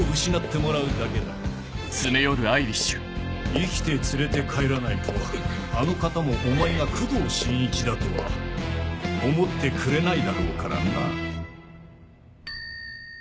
生きて連れて帰らないとあの方もお前が工藤新一だとは思ってくれないだろうからな。